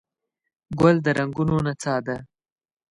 ګل د رنګونو نڅا ده.